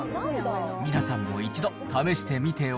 皆さんも一度、試してみては？